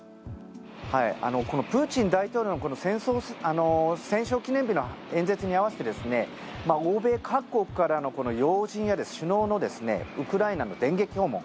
プーチン大統領の戦勝記念日の演説に合わせて欧米各国からの要人や首脳のウクライナの電撃訪問